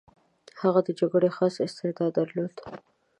هغه د جګړې خاص استعداد درلود.